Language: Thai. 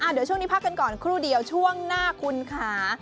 เดี๋ยวช่วงนี้พักกันก่อนครู่เดียวช่วงหน้าคุณค่ะ